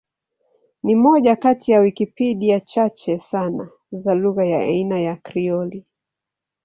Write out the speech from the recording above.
Ni moja kati ya Wikipedia chache sana za lugha ya aina ya Krioli.